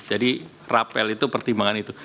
jadi rapel itu pertimbangan itu